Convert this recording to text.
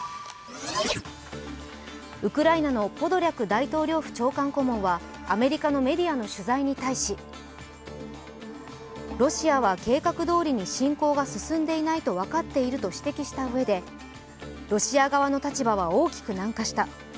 ウクライナのポドリャク大統領府長官顧問はアメリカのメディアの取材に対し、ロシアは計画通りに侵攻が進んでいないと分かっていると指摘したうえでロシア側の立場は大きく軟化した。